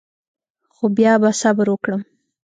خو بیا به صبر وکړم.